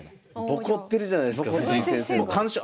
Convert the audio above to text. ボコってるじゃないすか藤井先生のこと。